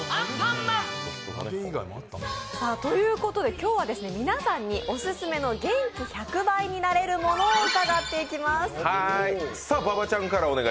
今日は皆さんにオススメの元気１００倍になれるものを伺っていきます。